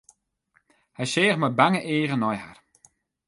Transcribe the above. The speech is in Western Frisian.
Hy seach mei bange eagen nei har.